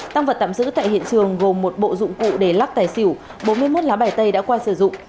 tăng vật tạm giữ tại hiện trường gồm một bộ dụng cụ để lắc tài xỉu bốn mươi một lá bài tay đã qua sử dụng